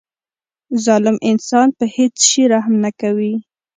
ظالم انسان په هیڅ شي رحم نه کوي.